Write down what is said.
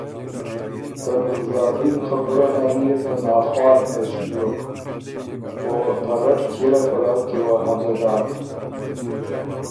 (ته ګلزادین خبُره نر يې ته ناخوال مېس بیوک او ته رټ چيېله پلؤ کی وه هځه داک)